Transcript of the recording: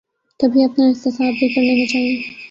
کبھی اپنا احتساب بھی کر لینا چاہیے۔